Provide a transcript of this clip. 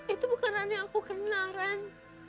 itu bukan aneh aku kenal ran